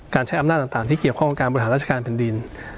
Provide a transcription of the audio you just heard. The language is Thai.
ใช้อำนาจต่างที่เกี่ยวข้องกับการบริหารราชการแผ่นดิน